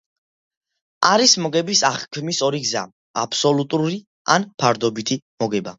არის მოგების აღქმის ორი გზა: აბსოლუტური, ან ფარდობითი მოგება.